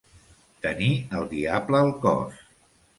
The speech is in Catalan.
Tenir el diable al cos.